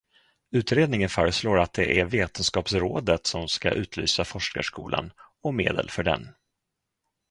Utredningen föreslår att det är Vetenskapsrådet som ska utlysa forskarskolan och medel för den.